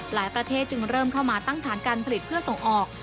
ประเทศจึงเริ่มเข้ามาตั้งฐานการผลิตเพื่อส่งออก